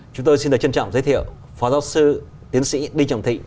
chúng tôi xin được trân trọng giới thiệu phó giáo sư tiến sĩ đinh trọng thị